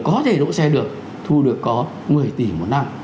có thể đỗ xe được thu được có một mươi tỷ một năm